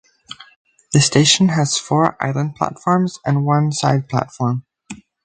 The station has four island platforms and one side platform.